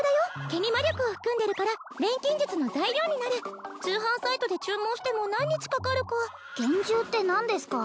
毛に魔力を含んでるから錬金術の材料になる通販サイトで注文しても何日かかるか幻獣って何ですか？